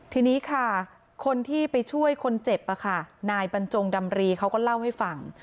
ทีนี้ค่ะคนที่ไปช่วยคนเจ็บนายบรรจงดำรีเขาก็เล่าให้ฟัง